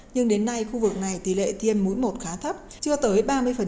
nhưng đến nay khu vực này tỷ lệ tiêm mũi một khá thấp chưa tới ba mươi